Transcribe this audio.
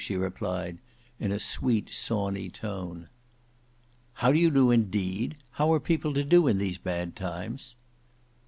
she replied, "in a sweet sawney tone." "How do you do, indeed! How are people to do in these bad times?"